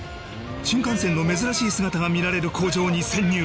新幹線の珍しい姿が見られる工場に潜入！